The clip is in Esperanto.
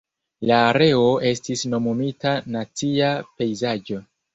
La areo estis nomumita Nacia Pejzaĝo.